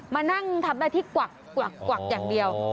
มานั่งทำหน้าที่กวักอย่างเดียว